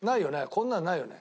こんなのないよね？